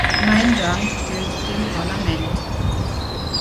Mein Dank gilt dem Parlament.